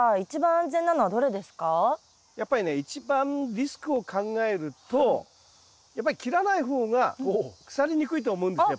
やっぱりね一番リスクを考えるとやっぱり切らない方が腐りにくいと思うんですよ